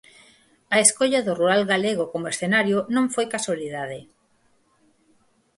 A escolla do rural galego como escenario non foi casualidade.